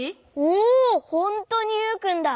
おほんとにユウくんだ。